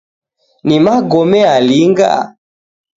Ni magome alinga?